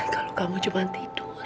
kalau kamu cuma tidur